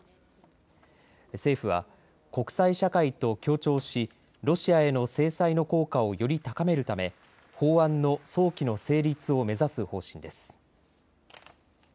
政府は国際社会と協調しロシアへの制裁の効果をより高めるため法案の早期の成立を目指す方針です。